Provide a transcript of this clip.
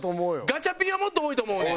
ガチャピンはもっと多いと思うねん。